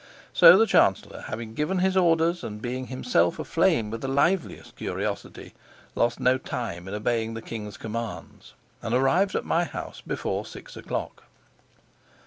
So the chancellor, having given his orders, and being himself aflame with the liveliest curiosity, lost no time in obeying the king's commands, and arrived at my house before six o'clock.